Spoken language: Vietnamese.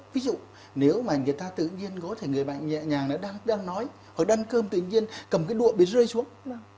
ví dụ nếu mà người ta tự nhiên có thể người bệnh nhẹ nhàng đang nói hoặc đang cơm tự nhiên cầm cái đũa bị rơi xuống